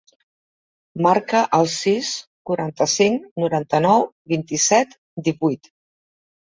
Marca el sis, quaranta-cinc, noranta-nou, vint-i-set, divuit.